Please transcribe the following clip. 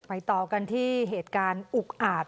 ต่อกันที่เหตุการณ์อุกอาจ